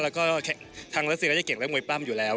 แล้วก็ทางรัฐศิริยะจะเก่งเรื่องมวยปั้มอยู่แล้ว